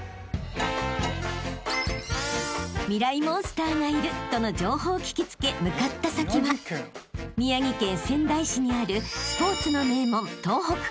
モンスターがいるとの情報を聞き付け向かった先は宮城県仙台市にあるスポーツの名門］